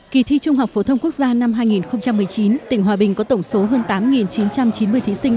kỳ thi trung học phổ thông quốc gia năm hai nghìn một mươi chín tỉnh hòa bình có tổng số hơn tám chín trăm chín mươi thí sinh